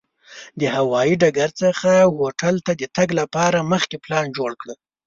د هوایي ډګر څخه هوټل ته د تګ لپاره مخکې پلان جوړ کړه.